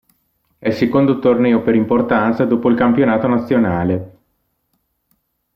È il secondo torneo per importanza dopo il campionato nazionale.